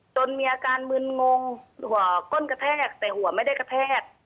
จนมีอาการมึนงงหัวก้นกระแทกแต่หัวไม่ได้กระแทก